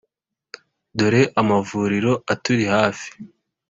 dore amavuriro aturi hafi